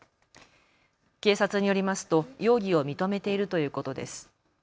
警察によりますと容疑を認めているということです。